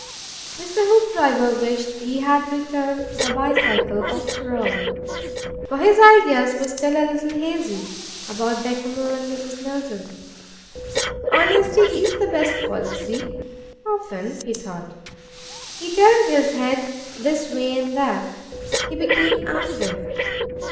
Mr. Hoopdriver wished he had returned the bicycle after all, for his ideas were still a little hazy about Bechamel and Mrs. Milton. Honesty IS the best policy often, he thought. He turned his head this way and that. He became active.